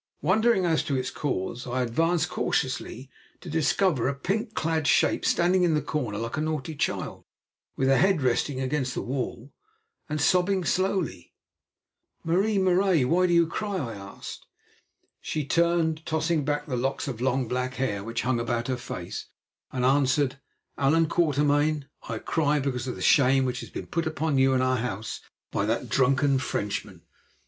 Wondering as to its cause, I advanced cautiously to discover a pink clad shape standing in the corner like a naughty child, with her head resting against the wall, and sobbing slowly. "Marie Marais, why do you cry?" I asked. She turned, tossing back the locks of long, black hair which hung about her face, and answered: "Allan Quatermain, I cry because of the shame which has been put upon you and upon our house by that drunken Frenchman."